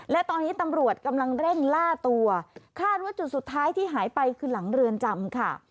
และตอนนี้ตำรวจกำลังเร่งล่าตัวคาดว่าจุดสุดท้ายที่หายไปคือหลังเรือนจำค่ะ